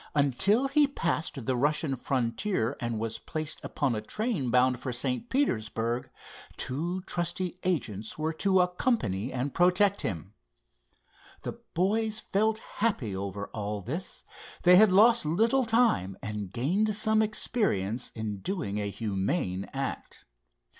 Until he passed the Russian frontier and was placed upon a train bound for St. Petersburg, two trusty agents were to accompany and protect him. The boys felt happy over all this. They had lost little time and gained some experience in doing a humane act.